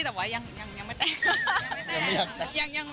แต่ว่ายังไม่แต่ง